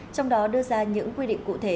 trong đó đưa ra những quy định cụ thể